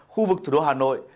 khu vực thủ đô hà nội